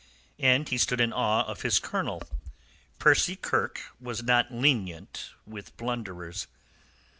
And he stood in awe of his colonel. Percy Kirke was not lenient with blunderers.